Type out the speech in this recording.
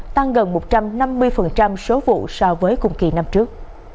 tăng gần một trăm năm mươi số vụ so với cùng kỳ năm trước